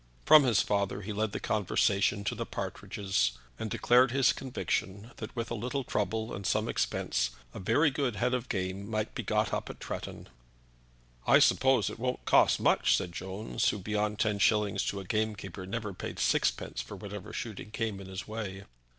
From his father he led the conversation to the partridges, and declared his conviction that, with a little trouble and some expense, a very good head of game might be got up at Tretton. "I suppose it wouldn't cost much?" said Jones, who beyond ten shillings to a game keeper never paid sixpence for whatever shooting came in his way.